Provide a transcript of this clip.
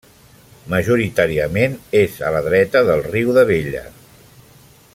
Majoritàriament és a la dreta del riu d'Abella.